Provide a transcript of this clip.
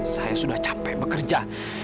saya sudah capek bekerja